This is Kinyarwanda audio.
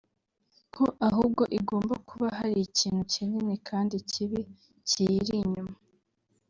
ko ahubwo igomba kuba hari ikintu kinini kandi kibi kiyiri inyuma